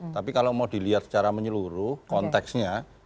tapi kalau mau dilihat secara menyeluruh konteksnya